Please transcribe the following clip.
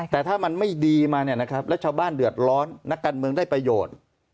แต่ถ้ามันไม่ดีมาเนี่ยนะครับแล้วชาวบ้านเดือดร้อนนักการเมืองได้ประโยชน์